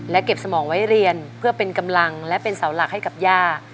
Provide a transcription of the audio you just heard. เก็บสมองไว้เรียนเพื่อเป็นกำลังและเป็นเสาหลักให้กับย่า